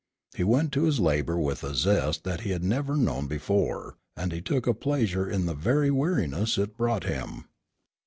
He went to his labor with a zest that he had never known before, and he took a pleasure in the very weariness it brought him.